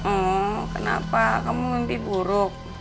oh kenapa kamu nanti buruk